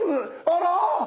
あら！